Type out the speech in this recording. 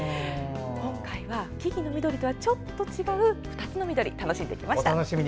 今回は木々の緑とは違う別の緑楽しんできました。